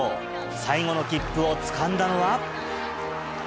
最後の切符をつかんだのは。